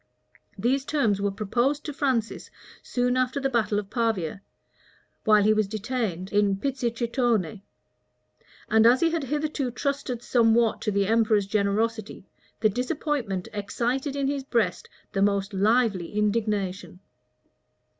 These terms were proposed to Francis soon after the battle of Pavia, while he was detained in Pizzichitone; and as he had hitherto trusted somewhat to the emperor's generosity, the disappointment excited in his breast the most lively indignation.